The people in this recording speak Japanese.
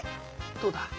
どうだ？